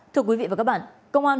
thưa quý vị và các bạn